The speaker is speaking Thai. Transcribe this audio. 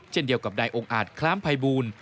เช่นเดียวกับนายองค์อาจคล้ามภัยบูล